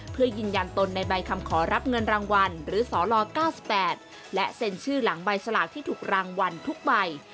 เพื่อยืนยันตนในใบคำขอรับเงินรางวัลหรือสล๙๘และเซ็นชื่อหลังใบสลากที่ถูกรางวัลทุกใบ